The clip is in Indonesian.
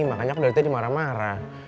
makanya dari tadi marah marah